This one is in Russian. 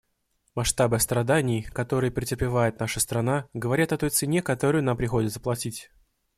Масштабы страданий, которые претерпевает наша страна, говорят о той цене, которую нам приходится платить.